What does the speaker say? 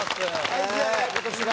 大事やね今年が。